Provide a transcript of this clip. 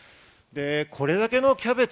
これだけのキャベツ。